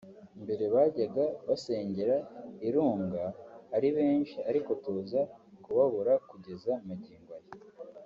Mbere bajyaga basengera i Runga ari benshi ariko tuza kubabura kugeza magingo aya